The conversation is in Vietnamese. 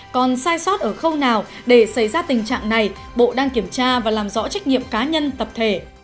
còn sai sót ở khâu nào để xảy ra tình trạng này bộ đang kiểm tra và làm rõ trách nhiệm cá nhân tập thể